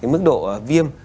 mức độ viêm